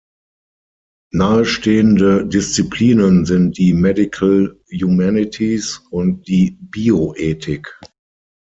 Nahestehende Disziplinen sind die Medical Humanities und die Bioethik.